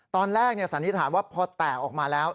สันนิษฐานว่าพอแตกออกมาแล้ว